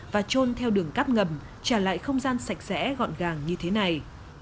và trôn theo đường cáp ngầm trả lại không gian sạch sẽ gọn gàng như thế này